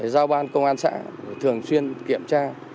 giao ban công an xã thường xuyên kiểm tra